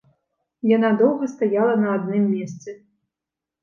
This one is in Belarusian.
Яна доўга стаяла на адным месцы.